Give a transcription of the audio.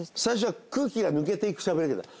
最初は空気が抜けていくしゃべり方。